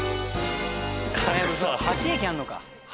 ８駅あんのか。